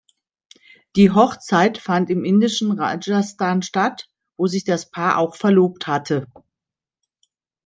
Die Hochzeit fand im indischen Rajasthan statt, wo sich das Paar auch verlobt hatte.